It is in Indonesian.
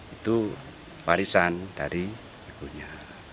itu warisan dari ibunya